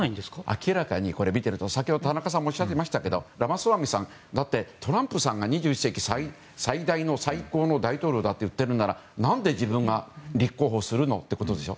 明らかに、見てると先ほど、田中さんもおっしゃいましたけどラマスワミさん、だってトランプさんが２１世紀最高の大統領だと言ってるなら何で自分が立候補するの？ってことでしょ。